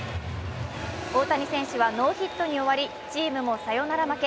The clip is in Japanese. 大谷選手はノーヒットに終わり、チームもサヨナラ負け。